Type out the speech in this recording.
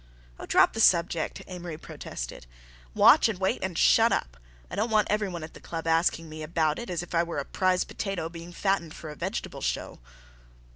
"Oh, drop the subject," Amory protested. "Watch and wait and shut up. I don't want every one at the club asking me about it, as if I were a prize potato being fattened for a vegetable show."